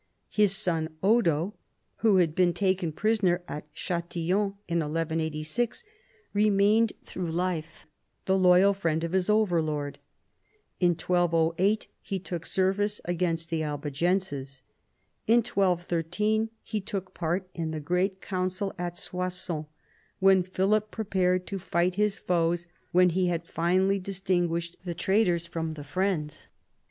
His son Odo, who had been taken prisoner at Chatillon in 1186, remained through life the loyal friend of his overlord. In 1208 he took service against the Albigenses. In 1213 he took part in the great council at Soissons, when Philip prepared to fight his foes when he had finally distinguished the traitors from the friends.